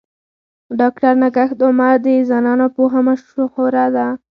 ډاکټر نگهت عمر د زنانو پوهه مشهوره ده.